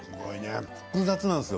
複雑なんですよ。